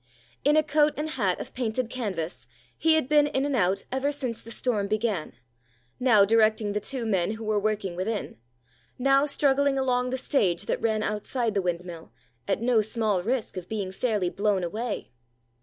In a coat and hat of painted canvas, he had been in and out ever since the storm began; now directing the two men who were working within, now struggling along the stage that ran outside the windmill, at no small risk of being fairly blown away.